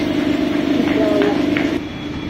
Nedda ɣer uxeddim.